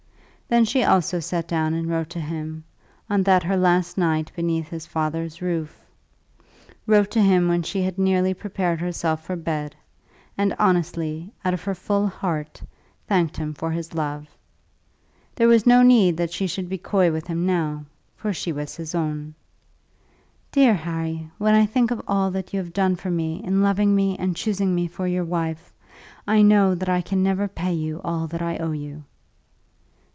Then she also sat down and wrote to him, on that her last night beneath his father's roof, wrote to him when she had nearly prepared herself for her bed; and honestly, out of her full heart, thanked him for his love. There was no need that she should be coy with him now, for she was his own. "Dear Harry, when I think of all that you have done for me in loving me and choosing me for your wife, I know that I can never pay you all that I owe you."